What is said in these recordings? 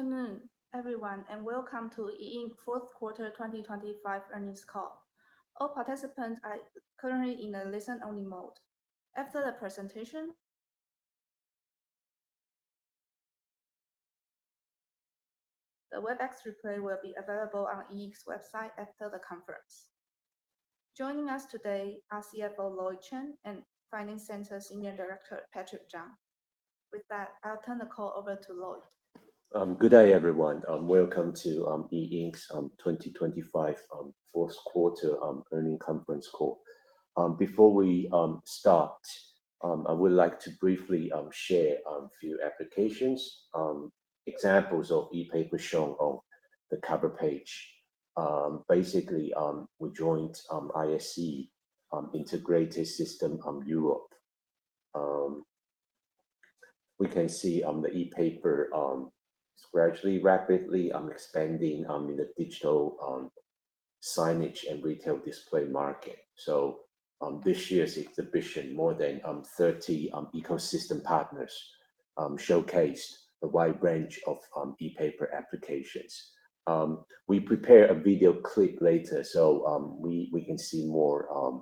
Afternoon, everyone, and welcome to E Ink Q4 2025 earnings call. All participants are currently in a listen-only mode. After the presentation, the Webex replay will be available on E Ink's website after the conference. Joining us today are CFO Lloyd Chen and Finance Center Senior Director Patrick Chang. With that, I'll turn the call over to Lloyd. Good day, everyone. Welcome to E Ink's 2025 Q4 earnings conference call. Before we start, I would like to briefly share a few applications examples of ePaper shown on the cover page. Basically, we joined ISE, Integrated Systems Europe. We can see the ePaper gradually, rapidly expanding in the digital signage and retail display market. This year's exhibition, more than 30 ecosystem partners, showcased a wide range of ePaper applications. We prepare a video clip later, so we can see more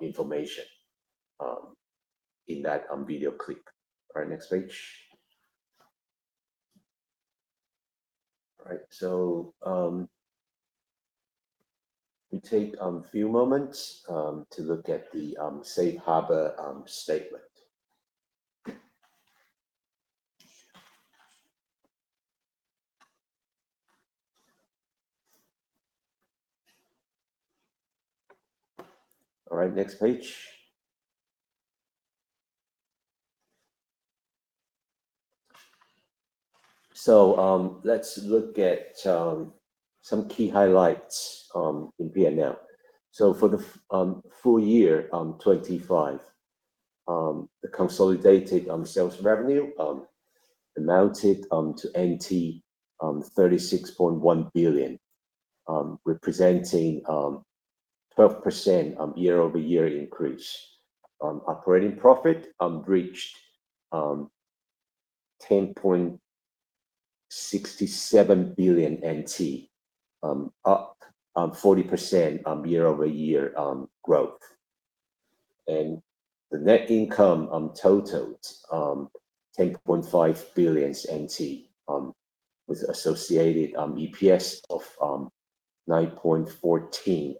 information in that video clip. All right, next page. All right, we take a few moments to look at the Safe Harbor Statement. All right, next page. Let's look at some key highlights in P&L. For the full year 2025, the consolidated sales revenue amounted to TWD 36.1 billion, representing 12% year-over-year increase. Operating profit reached TWD 10.67 billion, up 40% year-over-year growth. The net income totaled 10.5 billion NT, with associated EPS of 9.14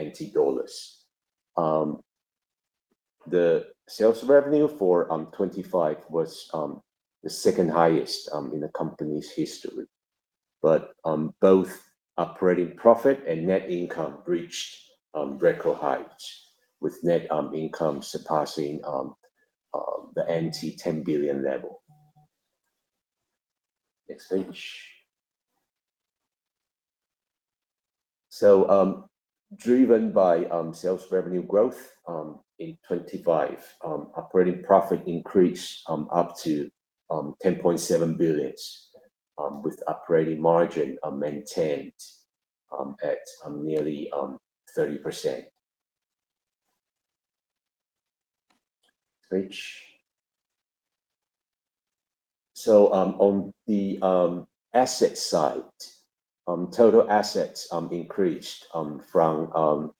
NT dollars. The sales revenue for 2025 was the second highest in the company's history. Both operating profit and net income reached record heights with net income surpassing the 10 billion level. Next page. Driven by sales revenue growth in 2025, operating profit increased up to 10.7 billion with operating margin maintained at nearly 30%. Next page. On the asset side, total assets increased from TWD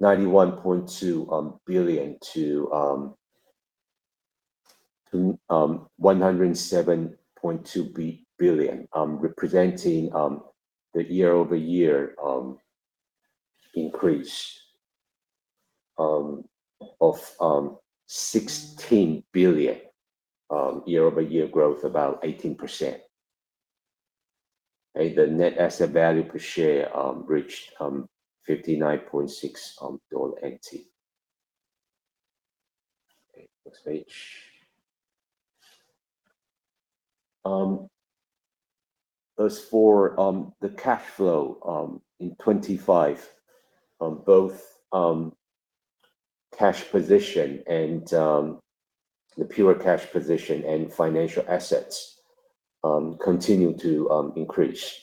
91.2 billion-TWD 107.2 billion, representing the year-over-year increase of 16 billion, year-over-year growth about 18%. The net asset value per share reached 59.6 dollar. Okay, next page. As for the cash flow in 2025, both cash position and the pure cash position and financial assets continue to increase,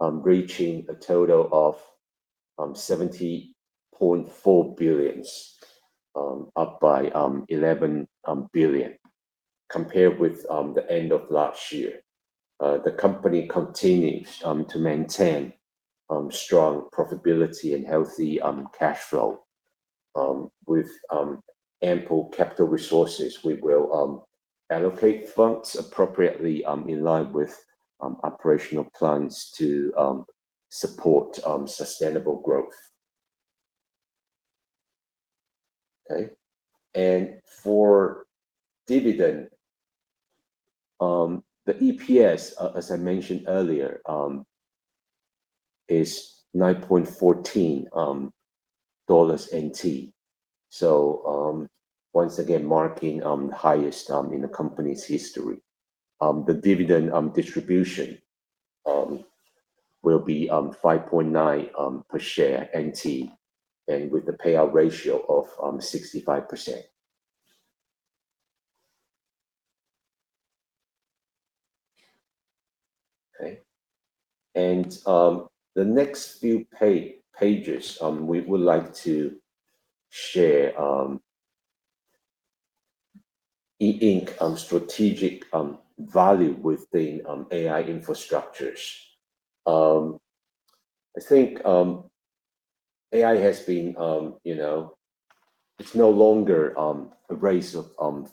reaching a total of 70.4 billion, up by 11 billion compared with the end of last year. The company continues to maintain strong profitability and healthy cash flow. With ample capital resources, we will allocate funds appropriately in line with operational plans to support sustainable growth. Okay. For dividend, the EPS, as I mentioned earlier, is 9.14 dollars. Once again marking highest in the company's history. The dividend distribution will be 5.9 per share, and with the payout ratio of 65%. The next few pages we would like to share E Ink strategic value within AI infrastructures. I think AI has been, you know. It's no longer a race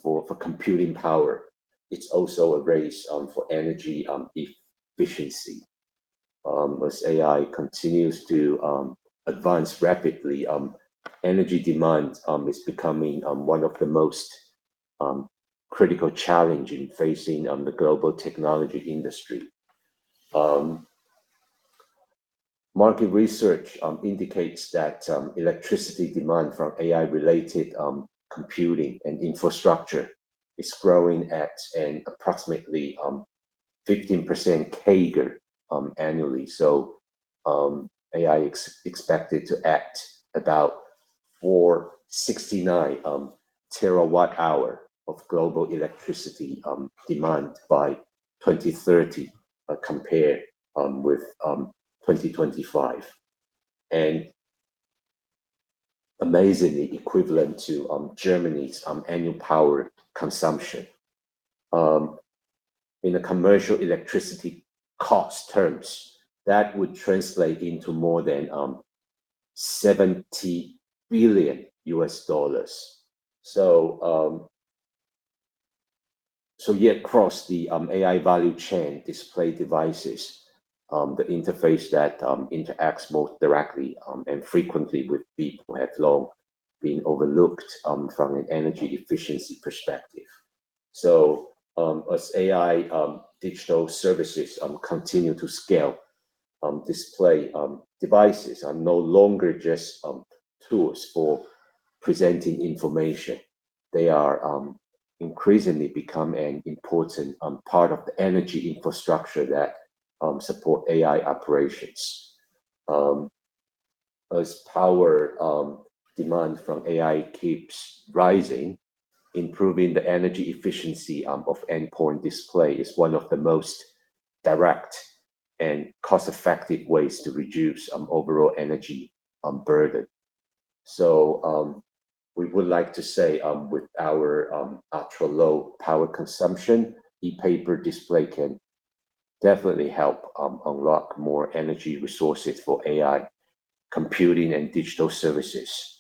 for computing power. It's also a race for energy efficiency. As AI continues to advance rapidly, energy demand is becoming one of the most critical challenge facing the global technology industry. Market research indicates that electricity demand from AI-related computing and infrastructure is growing at an approximately 15% CAGR annually. AI expected to account for about 469 TWh of global electricity demand by 2030, compared with 2025, and amazingly equivalent to Germany's annual power consumption. In commercial electricity cost terms, that would translate into more than $70 billion. Yet across the AI value chain, display devices, the interface that interacts most directly and frequently with people, have long been overlooked from an energy efficiency perspective. As AI digital services continue to scale, display devices are no longer just tools for presenting information. They are increasingly become an important part of the energy infrastructure that support AI operations. As power demand from AI keeps rising, improving the energy efficiency of endpoint display is one of the most direct and cost-effective ways to reduce overall energy burden. We would like to say with our ultra-low power consumption, ePaper display can definitely help unlock more energy resources for AI computing and digital services.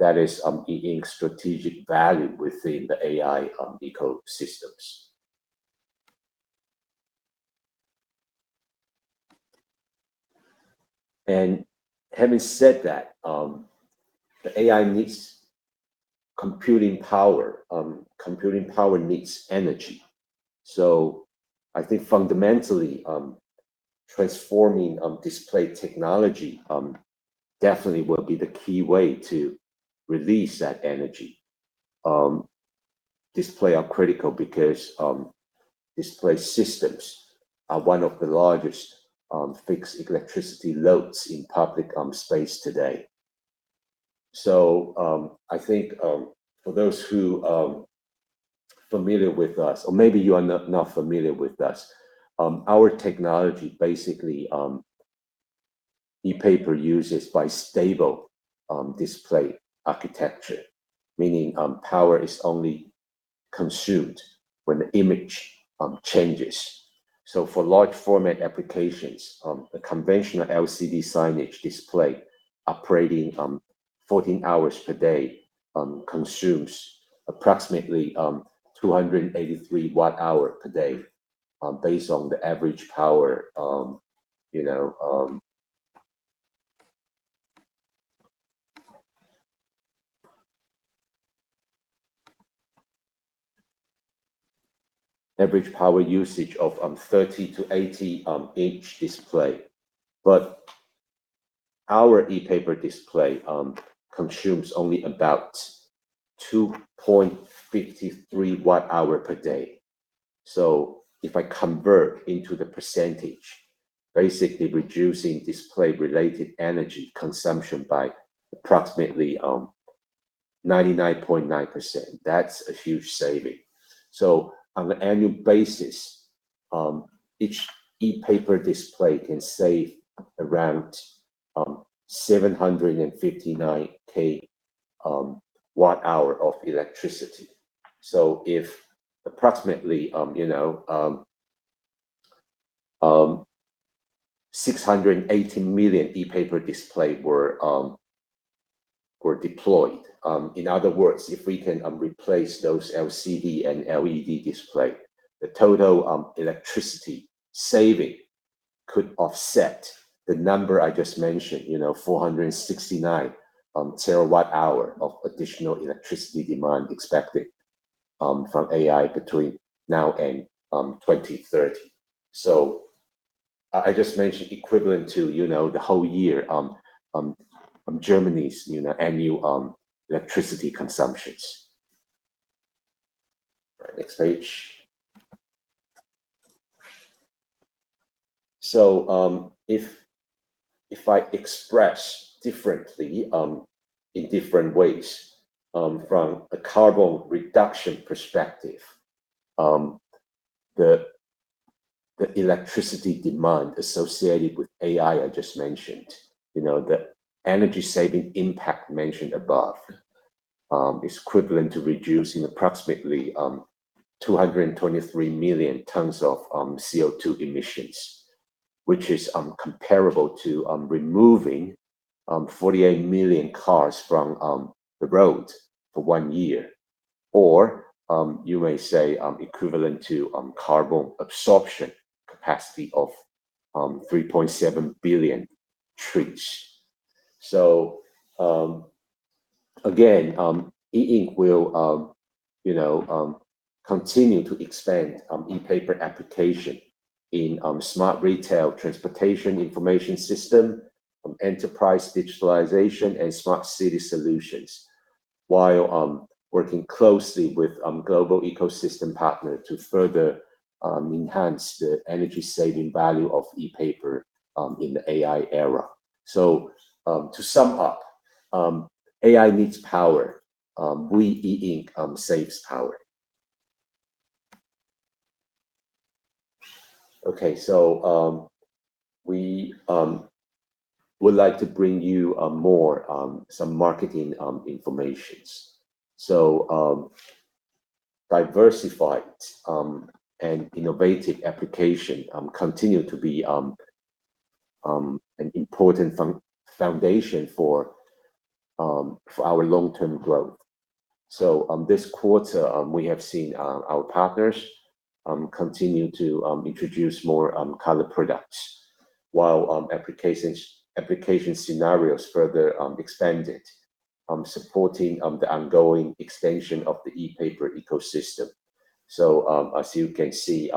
That is E Ink strategic value within the AI ecosystems. Having said that, the AI needs computing power, computing power needs energy. I think fundamentally, transforming display technology definitely will be the key way to release that energy. Display are critical because display systems are one of the largest fixed electricity loads in public space today. I think, for those who are familiar with us, or maybe you are not familiar with us, our technology basically, ePaper uses bistable display architecture, meaning power is only consumed when the image changes. For large format applications, a conventional LCD signage display operating 14 hours per day consumes approximately 283 Wh per day, based on the average power, you know, average power usage of 30 inch-80-inch display. Our ePaper display consumes only about 2.53 Wh per day. If I convert into the percentage, basically reducing display related energy consumption by approximately 99.9%, that's a huge saving. On an annual basis, each ePaper display can save around 759 kWh of electricity. If approximately, you know, 680 million ePaper displays were deployed, in other words, if we can replace those LCD and LED displays, the total electricity saving could offset the number I just mentioned, you know, 469 TWh of additional electricity demand expected from AI between now and 2030. I just mentioned equivalent to, you know, the whole year, Germany's annual annual consumption. Right. Next page. If I express differently in different ways from a carbon reduction perspective, the electricity demand associated with AI I just mentioned, you know, the energy saving impact mentioned above is equivalent to reducing approximately 223 million tons of CO2 emissions, which is comparable to removing 48 million cars from the road for one year. You may say equivalent to carbon absorption capacity of 3.7 billion trees. Again, E Ink will, you know, continue to expand ePaper application in smart retail, transportation information system, enterprise digitalization, and smart city solutions, while working closely with global ecosystem partner to further enhanced the energy saving value of ePaper in the AI era. To sum up, AI needs power, E Ink saves power. Okay. We would like to bring you more some marketing information. Diversified and innovative applications continue to be an important foundation for our long-term growth. On this quarter, we have seen our partners continue to introduce more color products while application scenarios further expanded, supporting the ongoing expansion of the ePaper ecosystem. As you can see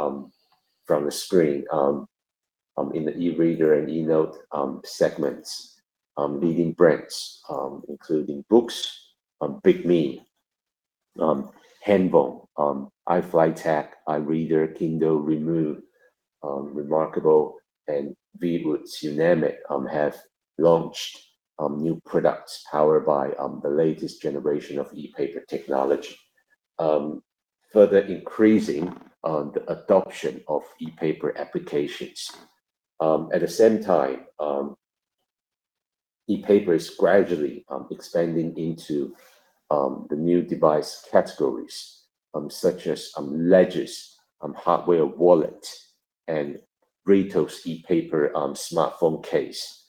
from the screen, in the e-reader and e-note segments, leading brands including BOOX, Bigme, Hanvon, iFlytek, iReader, Kindle, reMarkable, and ViewSonic have launched new products powered by the latest generation of ePaper technology, further increasing the adoption of ePaper applications. At the same time, ePaper is gradually expanding into the new device categories such as Ledger hardware wallet and REETLE's ePaper smartphone case.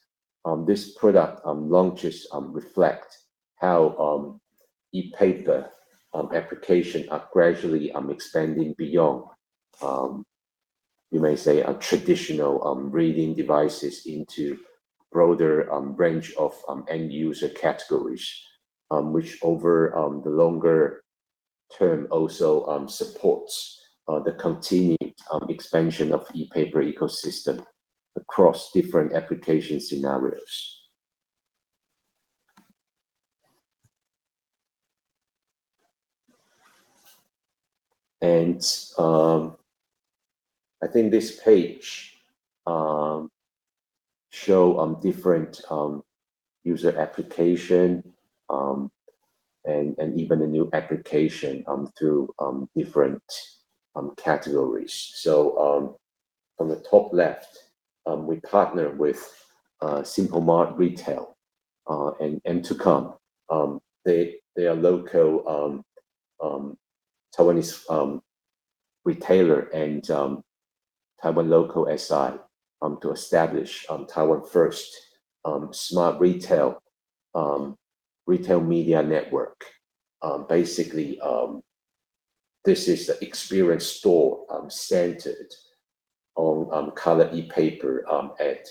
These product launches reflect how ePaper applications are gradually expanding beyond, you may say, traditional reading devices into broader range of end user categories, which over the longer term also supports the continued expansion of ePaper ecosystem across different application scenarios. I think this page shows different user applications and even new applications to different categories. From the top left, we partner with Simple Mart Retail. They are local Taiwanese retailers and Taiwan local SI to establish Taiwan's first smart retail media network. Basically, this is the experience store centered on color ePaper at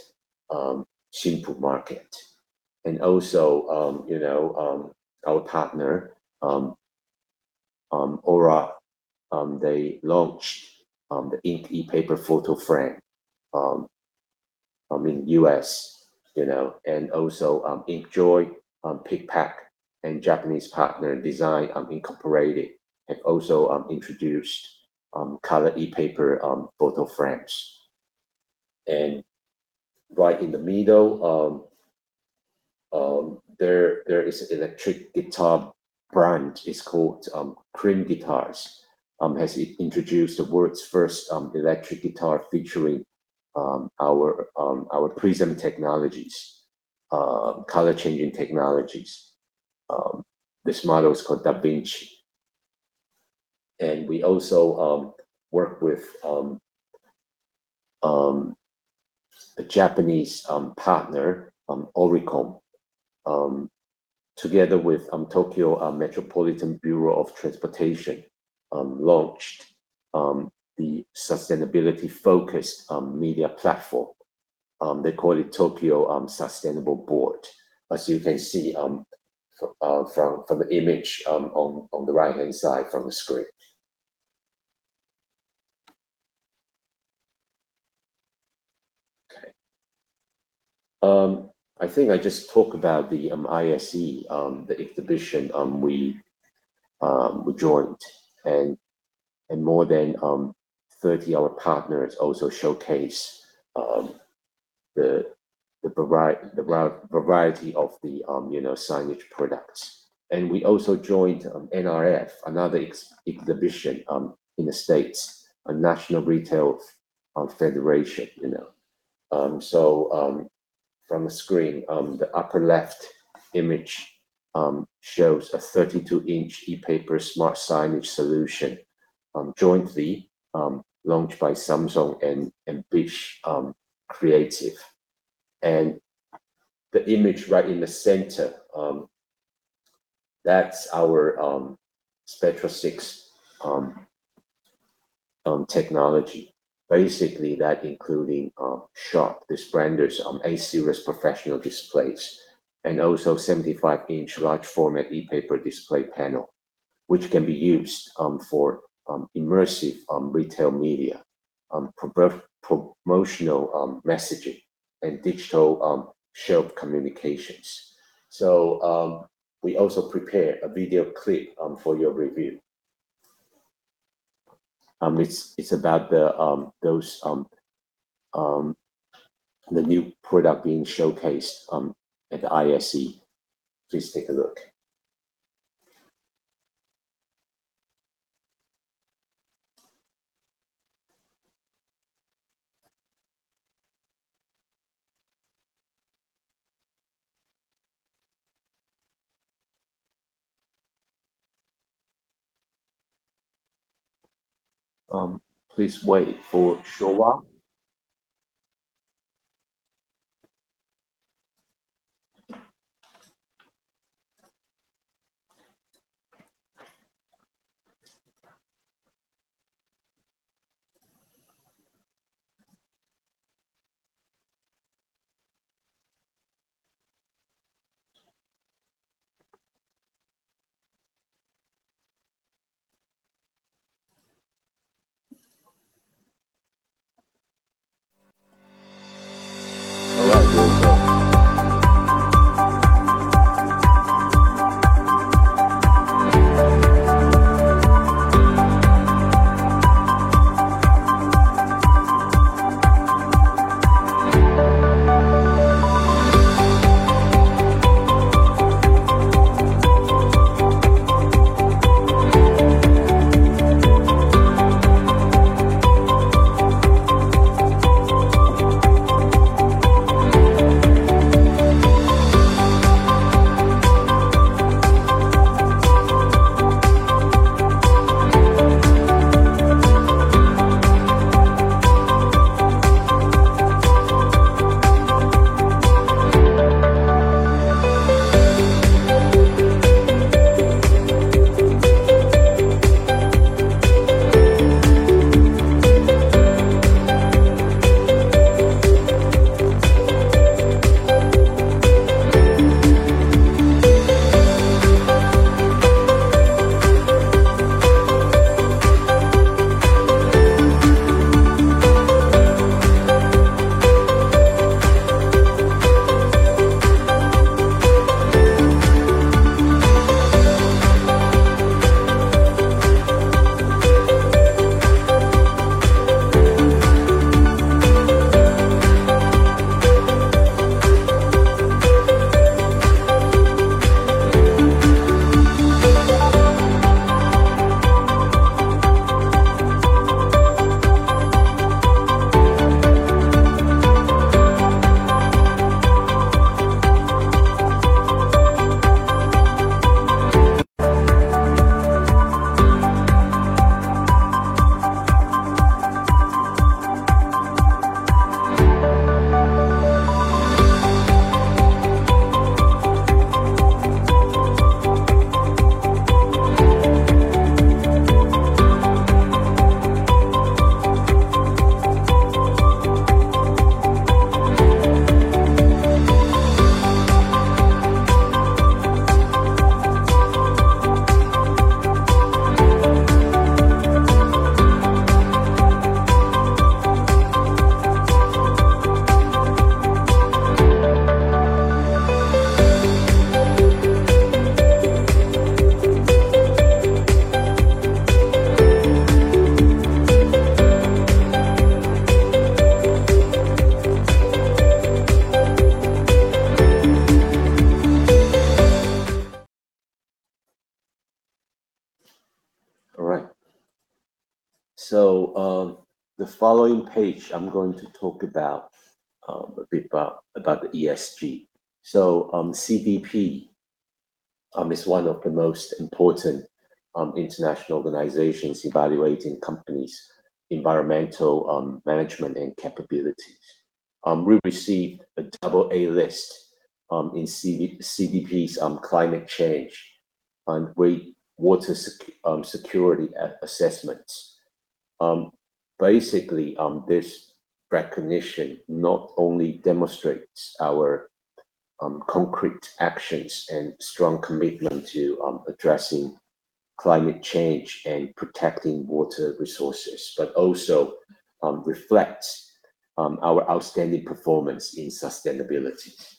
Simple Mart Retail. You know, our partner Aura they launched the Aura Ink ePaper photo frame in the U.S., you know. InkJoy, PicPak, and Japanese partner Design Incorporated have also introduced color ePaper photo frames. Right in the middle, there is electric guitar brand, it's called Cream Guitars, has introduced the world's first electric guitar featuring our Prism technologies, color changing technologies. This model is called DaVinci. We also work with a Japanese partner, ORICOM, together with Tokyo Metropolitan Bureau of Transportation, launched the sustainability-focused media platform. They call it TOKYO SUSTAINABLE BOARD, as you can see from the image on the right-hand side of the screen. Okay. I think I just talk about the ISE, the exhibition, we joined and more than 30 of our partners also showcase the variety of the, you know, the signage products. We also joined NRF, another exhibition in the States, a National Retail Federation, you know. From the screen, the upper left image shows a 32-inch ePaper smart signage solution jointly launched by Samsung and BIS Creative. The image right in the center, that's our Spectra 6 technology. Basically, that including Sharp display, the Splendor's A-series professional displays and also 75-inch large format ePaper display panel, which can be used for immersive retail media promotional messaging and digital shelf communications. We also prepared a video clip for your review. It's about those the new product being showcased at the ISE. Please take a look. Please wait for a short while. All right. The following page, I'm going to talk about a bit about the ESG. CDP is one of the most important international organizations evaluating companies' environmental management and capabilities. We received a double A list in CDP's climate change and water security assessments. Basically, this recognition not only demonstrates our concrete actions and strong commitment to addressing climate change and protecting water resources, but also reflects our outstanding performance in sustainability.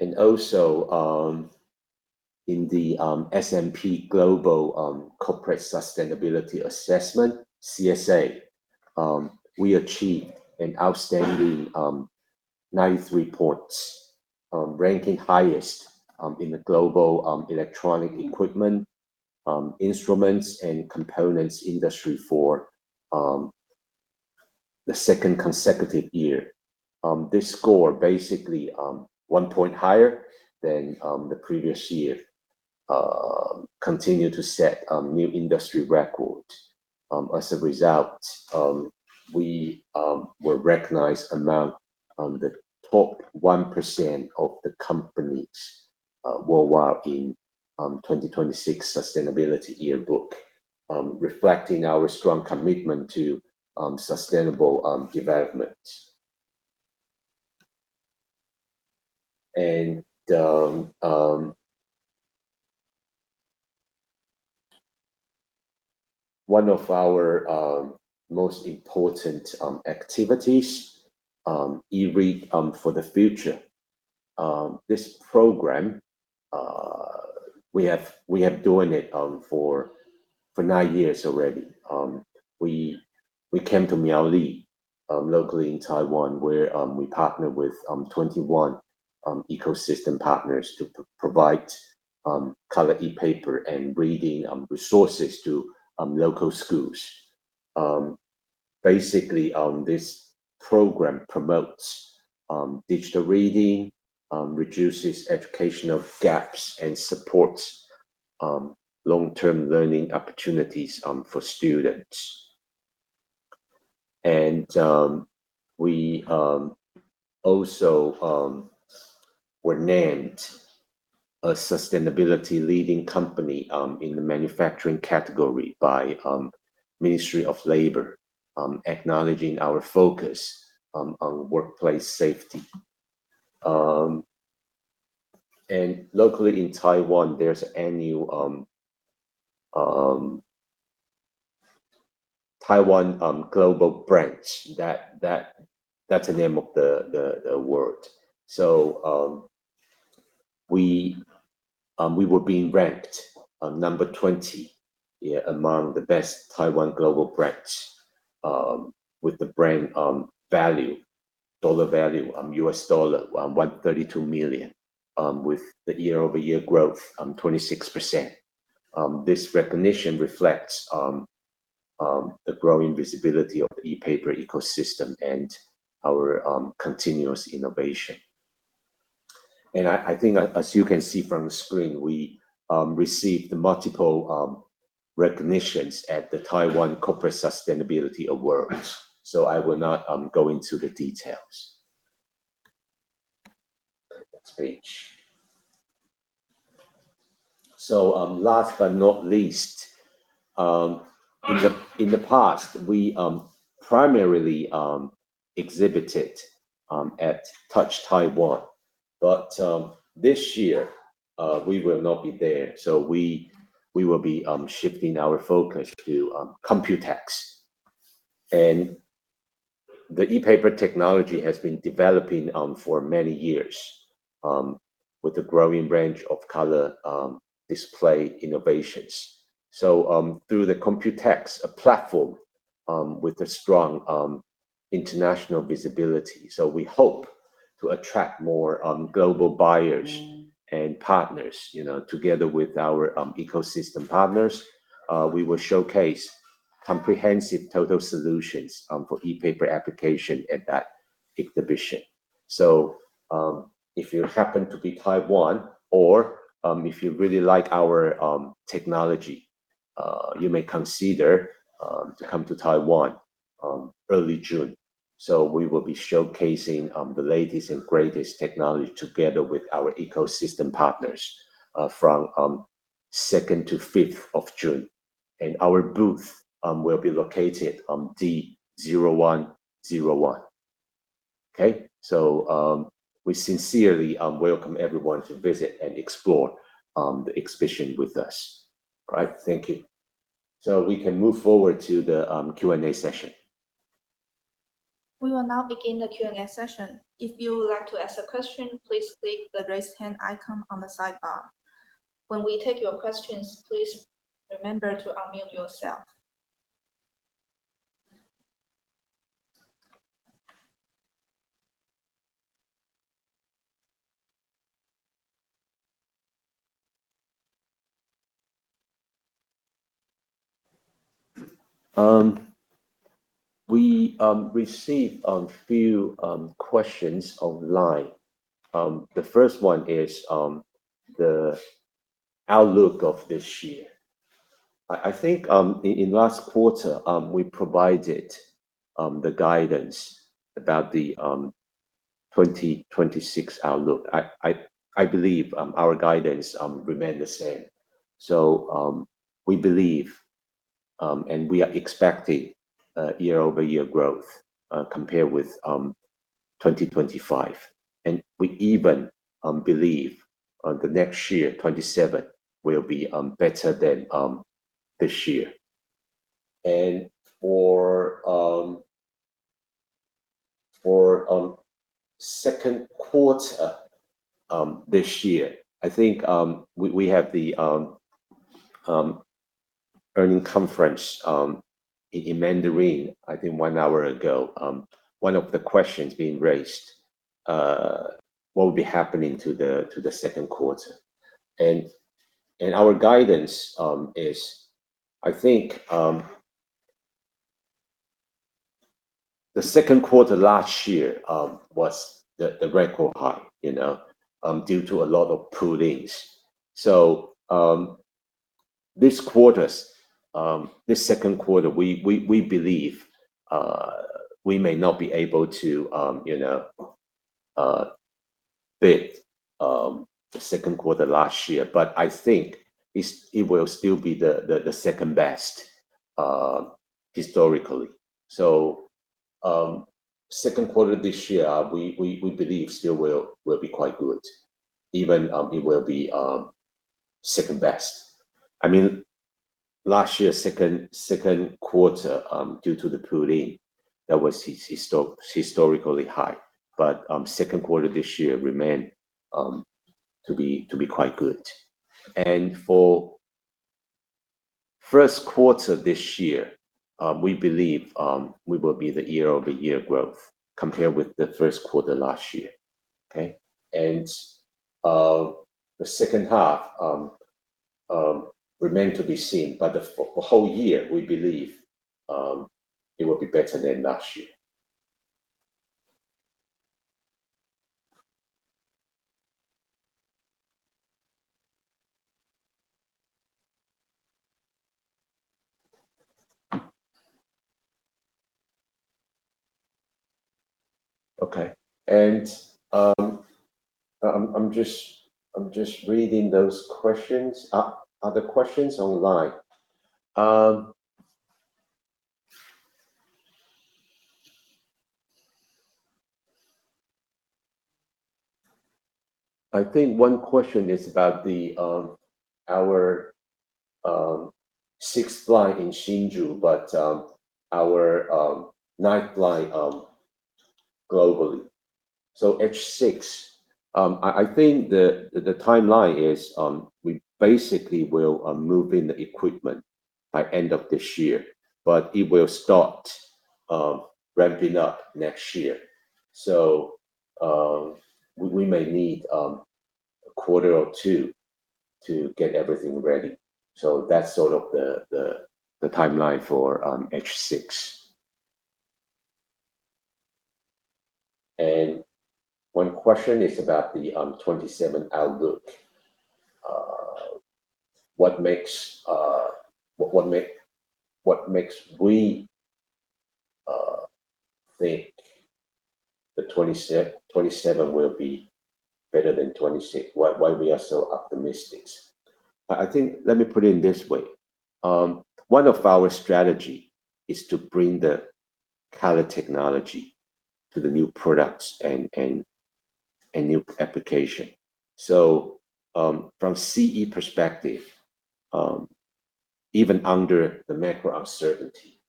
In the S&P Global Corporate Sustainability Assessment, CSA, we achieved an outstanding 93 points, ranking highest in the global electronic equipment instruments and components industry for the second consecutive year. This score basically one point higher than the previous year continue to set a new industry record. As a result, we were recognized among the top 1% of the companies worldwide in 2026 Sustainability Yearbook reflecting our strong commitment to sustainable development. One of our most important activities, eRead for the Future. This program we have doing it for nine years already. We came to Miaoli locally in Taiwan, where we partner with 21 ecosystem partners to provide color ePaper and reading resources to local schools. Basically, this program promotes digital reading, reduces educational gaps, and supports long-term learning opportunities for students. We also were named a sustainability leading company in the manufacturing category by Ministry of Labor acknowledging our focus on workplace safety. Locally in Taiwan, there's annual Taiwan Global Brands. That's the name of the award. We were being ranked number 20, yeah, among the best Taiwan Global Brands with the brand value, dollar value, $132 million with the year-over-year growth 26%. This recognition reflects the growing visibility of the ePaper ecosystem and our continuous innovation. I think as you can see from the screen, we received multiple recognitions at the Taiwan Corporate Sustainability Awards, so I will not go into the details. Next page. Last but not least, in the past, we primarily exhibited at Touch Taiwan. This year, we will not be there, so we will be shifting our focus to COMPUTEX. The ePaper technology has been developing for many years with a growing range of color display innovations. Through the COMPUTEX, a platform with a strong international visibility, we hope to attract more global buyers and partners. You know, together with our ecosystem partners, we will showcase comprehensive total solutions for e-paper application at that exhibition. If you happen to be in Taiwan or if you really like our technology, you may consider to come to Taiwan early June. We will be showcasing the latest and greatest technology together with our ecosystem partners from 2 June-5 June. Our booth will be located on D0101. Okay? We sincerely welcome everyone to visit and explore the exhibition with us. All right. Thank you. We can move forward to the Q&A session. We will now begin the Q&A session. If you would like to ask a question, please click the Raise Hand icon on the sidebar. When we take your questions, please remember to unmute yourself. We received a few questions online. The first one is the outlook of this year. I think in last quarter we provided the guidance about the 2026 outlook. I believe our guidance remain the same. We believe and we are expecting a year-over-year growth compared with 2025. We even believe the next year, 2027, will be better than this year. For Q2 this year, I think we have the earnings conference in Mandarin one hour ago. One of the questions being raised, what will be happening to the Q2? Our guidance is I think the Q2 last year was the record high, you know, due to a lot of pull-ins. This quarter's this Q2, we believe we may not be able to, you know, beat the Q2 last year. I think it will still be the second best historically. Q2 this year, we believe still will be quite good. It will be second best. I mean, last year's Q2 due to the pull-in, that was historically high. Q2 this year remain to be quite good. For the Q1 this year, we believe we will see year-over-year growth compared with the Q1 last year. Okay. The H2 remains to be seen. The whole year we believe it will be better than last year. Okay. I'm just reading those questions. Other questions online. I think one question is about our sixth line in Hsinchu, but our ninth line globally. H6, I think the timeline is we basically will move in the equipment by end of this year, but it will start ramping up next year. We may need a quarter or two quarters to get everything ready. That's sort of the timeline for H6. One question is about the 2027 outlook. What makes us think that 2027 will be better than 2026? Why are we so optimistic? I think let me put it this way. One of our strategy is to bring the color technology to the new products and new application. From CE perspective, even under the macro uncertainty,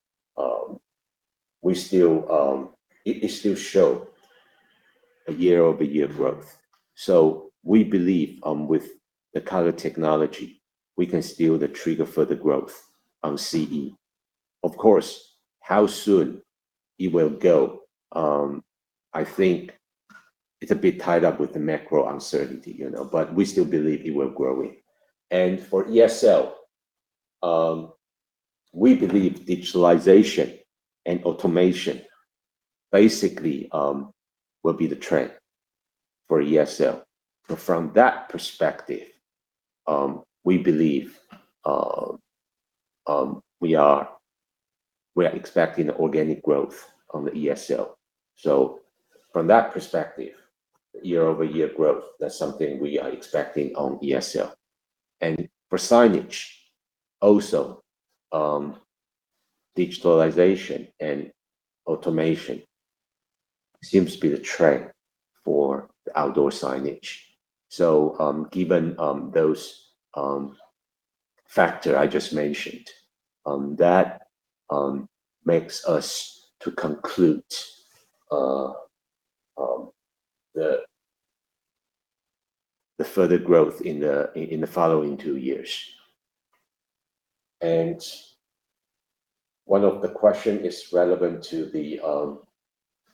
it still shows a year-over-year growth. We believe with the color technology, we can still be the trigger for the growth on CE. Of course, how soon it will grow, I think it's a bit tied up with the macro uncertainty, you know? We still believe it will grow. For ESL, we believe digitization and automation basically will be the trend for ESL. From that perspective, we believe we are expecting organic growth on the ESL. From that perspective, year-over-year growth, that's something we are expecting on ESL. For signage also, digitalization and automation seems to be the trend for the outdoor signage. Given those factor I just mentioned, that makes us to conclude the further growth in the following two years. One of the question is relevant to the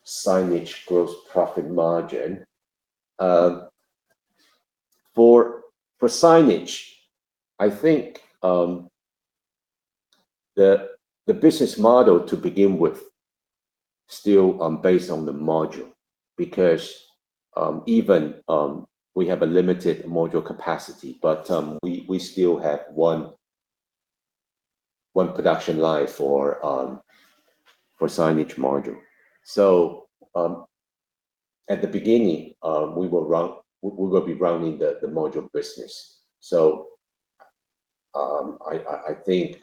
signage gross profit margin. For signage, I think the business model to begin with still based on the module, because even we have a limited module capacity, but we still have one production line for signage module. At the beginning, we will be running the module business. I think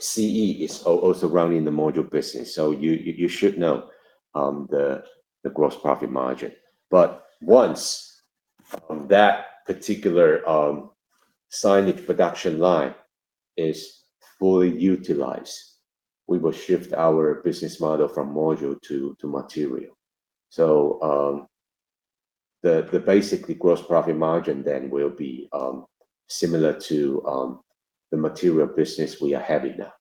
CE is also running the module business, so you should know the gross profit margin. Once that particular signage production line is fully utilized, we will shift our business model from module to material. Basically gross profit margin then will be similar to the material business we are having now.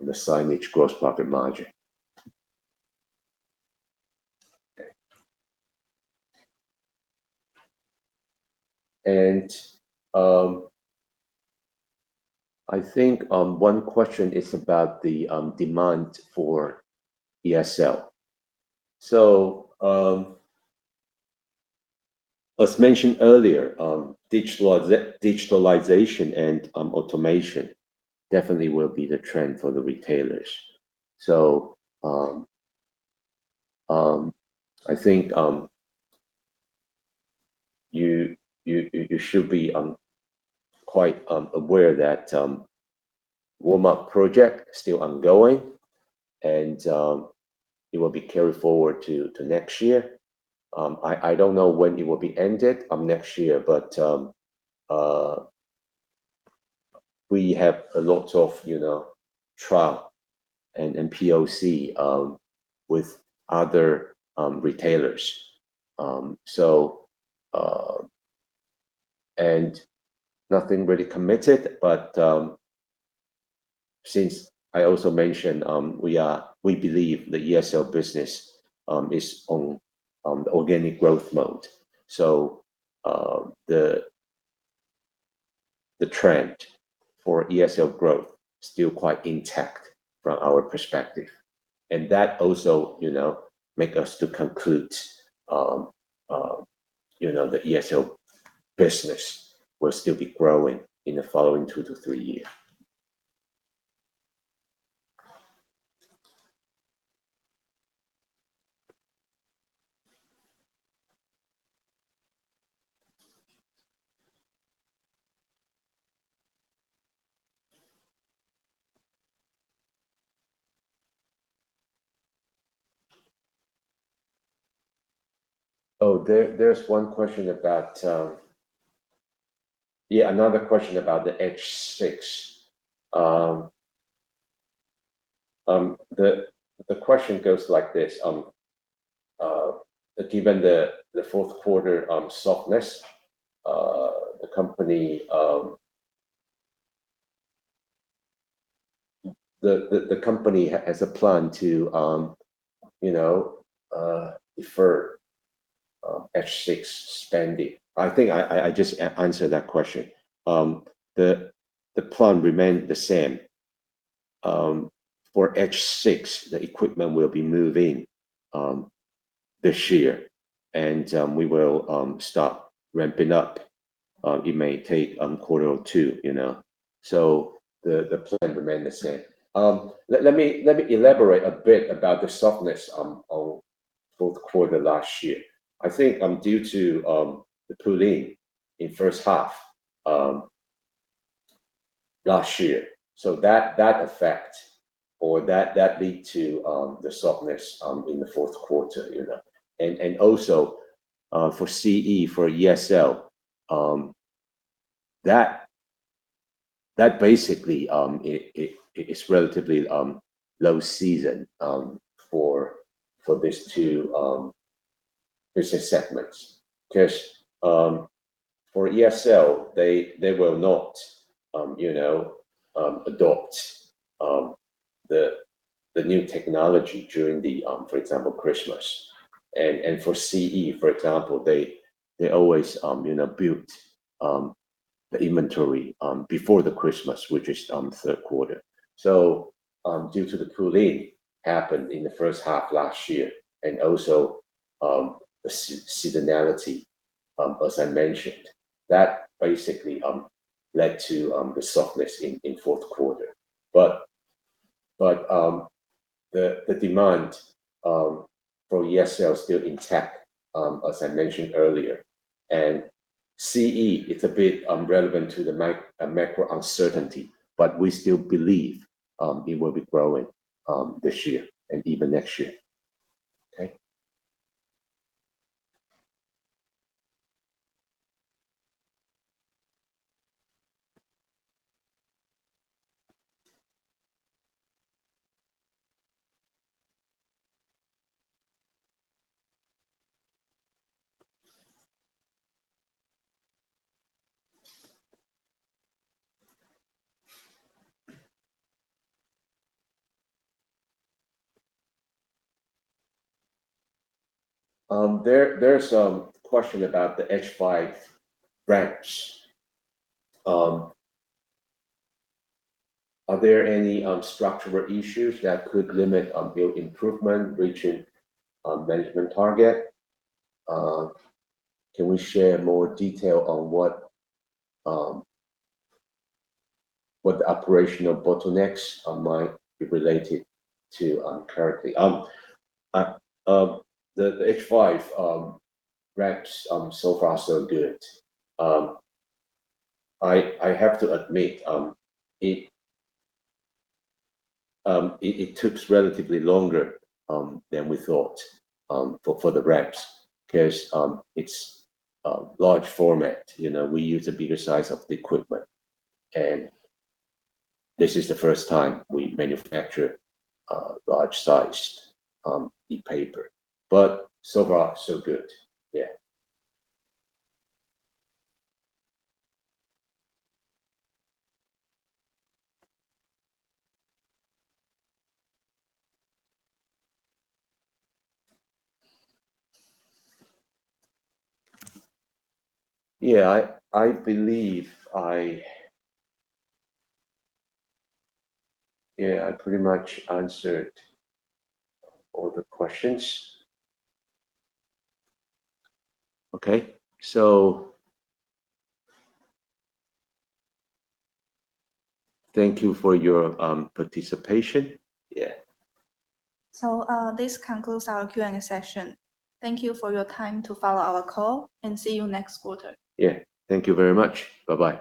That's sort of the flavor I can provide on the signage gross profit margin. Okay. I think one question is about the demand for ESL. As mentioned earlier, digitalization and automation definitely will be the trend for the retailers. I think you should be quite aware that the Walmart project is still ongoing, and it will be carried forward to next year. I don't know when it will be ended next year, but we have a lot of, you know, trial and POC with other retailers. Nothing really committed, but since I also mentioned, we believe the ESL business is on organic growth mode. The trend for ESL growth is still quite intact from our perspective. That also, you know, make us to conclude, you know, the ESL business will still be growing in the following two year-three year. Oh, there's one question about. Yeah, another question about the Edge Six. The question goes like this, given the Q4 softness, the company has a plan to, you know, defer H6 spending. I think I just answered that question. The plan remained the same. For H6, the equipment will be moving this year, and we will start ramping up. It may take a quarter or two quarters, you know. The plan remained the same. Let me elaborate a bit about the softness on Q4 last year. I think due to the pull-in in first half last year, so that effect or that led to the softness in the Q4, you know. Also, for CE, for ESL, that basically it's relatively low season for these two business segments. 'Cause for ESL, they will not, you know, adopt the new technology during, for example, Christmas. For CE, for example, they always, you know, build the inventory before the Christmas, which is on Q3. Due to the pull-in happened in the H1 last year and also the seasonality, as I mentioned, that basically led to the softness in Q4. The demand for ESL is still intact, as I mentioned earlier. CE, it's a bit relevant to the macro uncertainty, but we still believe it will be growing this year and even next year. Okay? There's a question about the H5 ramps. Are there any structural issues that could limit yield improvement reaching management target? Can we share more detail on what the operational bottlenecks might be related to currently? The H5 ramps so far so good. I have to admit, it takes relatively longer than we thought for the ramps 'cause it's large format. You know, we use a bigger size of the equipment, and this is the first time we manufacture large-sized ePaper, but so far so good. Yeah. Yeah, I believe I pretty much answered all the questions. Okay. Thank you for your participation. Yeah. This concludes our Q&A session. Thank you for your time to follow our call, and see you next quarter. Yeah. Thank you very much. Bye-bye.